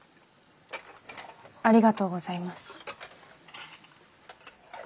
ありがとうございます。